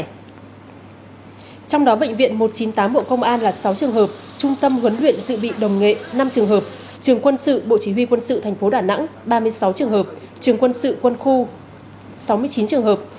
trong đó bệnh viện một trăm chín mươi tám bộ công an là sáu trường hợp trung tâm huấn luyện dự bị đồng nghệ năm trường hợp trường quân sự bộ chỉ huy quân sự tp đà nẵng ba mươi sáu trường hợp trường quân sự quân khu sáu mươi chín trường hợp